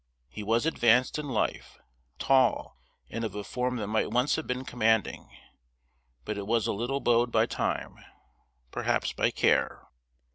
He was advanced in life, tall, and of a form that might once have been commanding, but it was a little bowed by time perhaps by care.